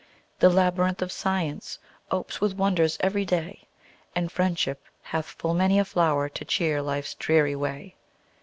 The labyrinth of Science opes with wonders every day; And friendship hath full many a flower to cheer life's dreary way.